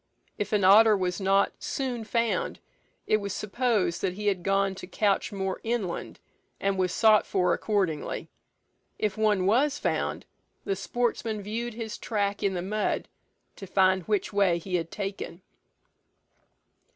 If an otter was not soon found, it was supposed that he had gone to couch more inland, and was sought for accordingly. If one was found, the sportsmen viewed his track in the mud, to find which way he had taken.